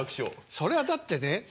それはだってね